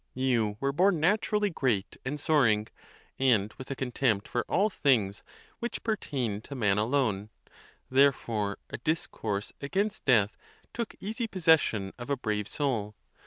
You were born naturally great and soaring, and with a con tempt for all things which pertain to man alone; there fore a discourse against death took easy possession of a brave soul.